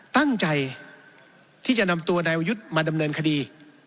ตั้งใจที่จะนำตัวนายวยุทธ์มาดำเนินคดี